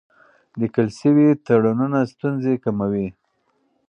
لیکل شوي تړونونه ستونزې کموي.